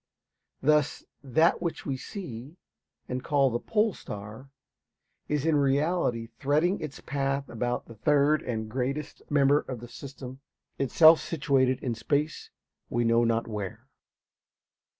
Thus, that which we see, and call the pole star, is in reality threading its path about the third and greatest member of the system, itself situated in space, we know not where.